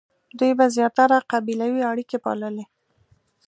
دوی به زیاتره قبیلوي اړیکې پاللې.